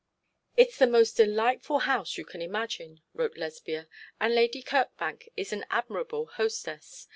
'It is the most delightful house you can imagine,' wrote Lesbia; 'and Lady Kirkbank is an admirable hostess.